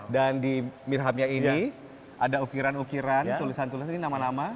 dan di mihrabnya ini ada ukiran ukiran tulisan tulisan ini nama nama